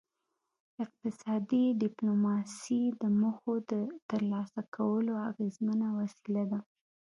اقتصادي ډیپلوماسي د موخو د ترلاسه کولو اغیزمنه وسیله ده